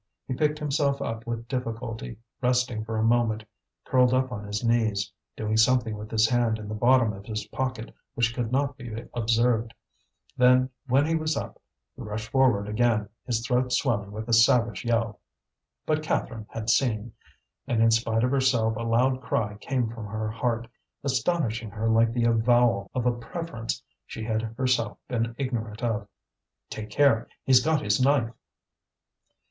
He picked himself up with difficulty, resting for a moment curled up on his knees, doing something with his hand in the bottom of his pocket which could not be observed. Then, when he was up, he rushed forward again, his throat swelling with a savage yell. But Catherine had seen; and in spite of herself a loud cry came from her heart, astonishing her like the avowal of a preference she had herself been ignorant of: "Take care! he's got his knife!"